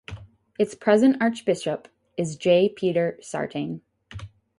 Its present archbishop is J. Peter Sartain.